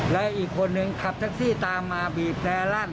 และอีกคนนึงขับแท็กซี่ตามมาบีบแต่ลั่น